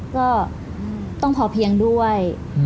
ก็ต้องพอเพียงด้วย